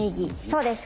そうです。